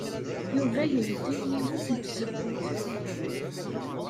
Yuba yeldey yiwet n tzewwut.